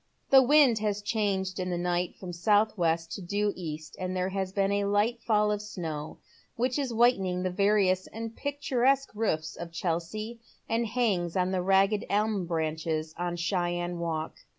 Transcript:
The wind has changed in th© night from south west to due east, and there has been a light fall of snow, which is whitening the various and picturesque roofs of Chelsea, and hangs on the ragged elm branches on Cheyne Walk.